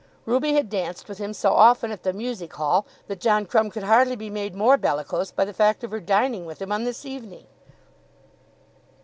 Ruby had danced with him so often at the Music Hall that John Crumb could hardly be made more bellicose by the fact of her dining with him on this evening.